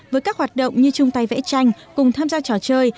với các hoạt động như chung tay vẽ tranh cùng tham gia trò chơi